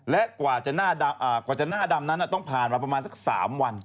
และกว่าจะหน้าดำนั้นต้องผ่านมาประมาณสัก๓วัน